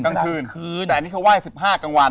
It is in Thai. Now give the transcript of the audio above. แต่อันนี้เขาไหว้๑๕กลางวัน